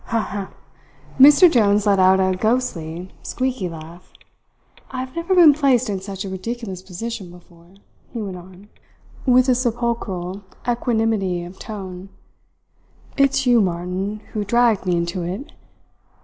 "Ha, ha, ha!" Mr. Jones let out a ghostly, squeaky laugh. "I've never been placed in such a ridiculous position before," he went on, with a sepulchral equanimity of tone. "It's you, Martin, who dragged me into it.